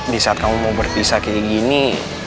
di saat kamu mau berpisah kayak gini